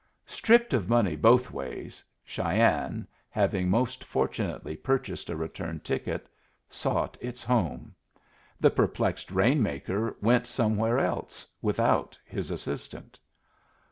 Stripped of money both ways, Cheyenne, having most fortunately purchased a return ticket, sought its home. The perplexed rain maker went somewhere else, without his assistant.